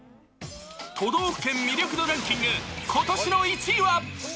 都道府県魅力度ランキング、ことしの１位は。